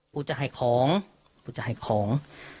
กูจะให้ของกูจะให้ของ